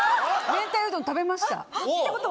明太うどん食べました。